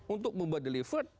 untuk membuat delivered